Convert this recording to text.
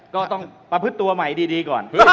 ก็ต้องประพฤติตัวใหม่ดีก่อน